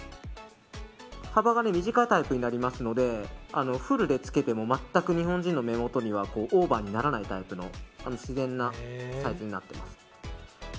幅が短いタイプになりますので古でつけても全く日本人の目元にはオーバーにならないタイプの自然なサイズになっています。